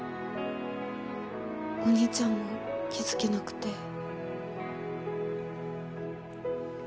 お兄ちゃんも気付けなくて。